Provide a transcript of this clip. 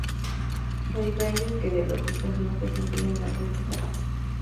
La diferencia es que más de dos personas se incluyen en el grupo cerrado.